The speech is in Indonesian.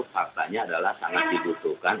faktanya adalah sangat dibutuhkan